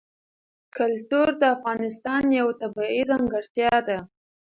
کلتور د افغانستان یوه طبیعي ځانګړتیا ده.